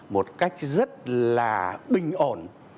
một cách rất là bình ổn